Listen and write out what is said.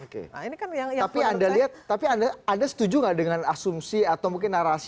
oke nah ini kan yang yang tapi anda lihat tapi anda setuju gak dengan asumsi atau mungkin narasi